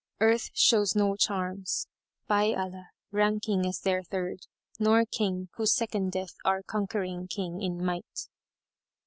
Earth shows no charms, by Allah, ranking as their third, * Nor King who secondeth our Conquering King in might."